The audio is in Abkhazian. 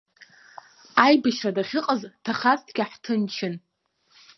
Аибашьра дахьыҟаз дҭахазҭгьы, ҳҭынчын.